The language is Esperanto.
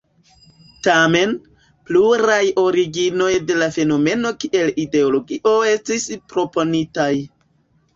Tamen, pluraj originoj de la fenomeno kiel ideologio estis proponitaj.